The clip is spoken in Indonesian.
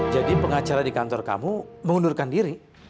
jadi pengacara di kantor kamu mengundurkan diri